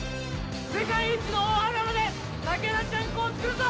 世界一の大羽釜で竹原ちゃんこを作るぞ。